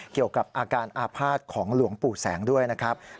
เกี่ยวกับอาการอาภาษณ์ของหลวงปู่แสงด้วยนะครับ